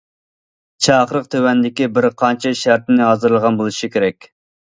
چاقىرىق تۆۋەندىكى بىر قانچە شەرتنى ھازىرلىغان بولۇشى كېرەك.